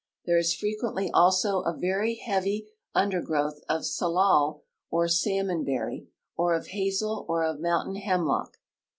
There is frequently also a very heavy undergrowth of sallal or salmon berry or of hazel or of mountain hemlock.